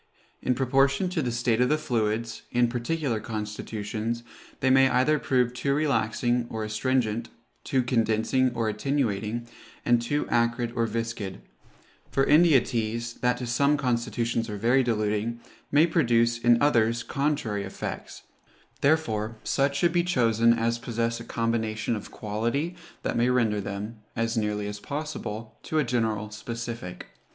In proportion to the state of the fluids, in particular constitutions, they may either prove too relaxing or astringent, too condensing or attenuating, and too acrid or viscid; for India teas, that to some constitutions are very diluting, may produce in others contrary effects: therefore such should be chosen as possess a combination of quality that may render them, as nearly as possible, to a general specific.